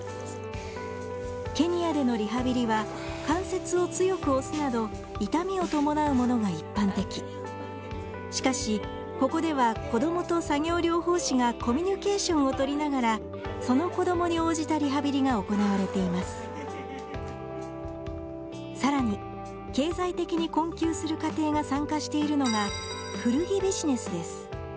ケニアでのリハビリは関節を強く押すなど痛みを伴うものが一般的しかし、ここでは子どもと作業療法士がコミュニケーションをとりながらその子どもに応じたリハビリが行われていますさらに経済的に困窮する家庭が参加しているのが古着ビジネスです